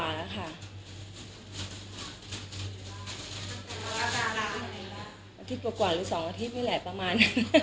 อาทิตย์กว่าหรือ๒อาทิตย์นี่แหละประมาณ